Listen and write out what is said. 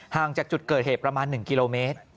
ห่างจากจุดเกิดเหตุประมาณ๑กิโลเมตร